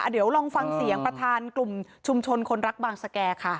เดี๋ยวลองฟังเสียงประธานกลุ่มชุมชนคนรักบางสแก่ค่ะ